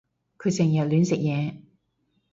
佢成日亂食嘢